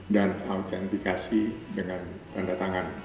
dan autentikasi dengan tanda tangan